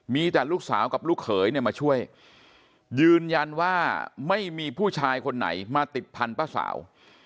มีแต่ลูกสาวกับลูกเขยเนี่ยมาช่วยยืนยันว่าไม่มีผู้ชายคนไหนมาติดพันธุ์ป้าสาว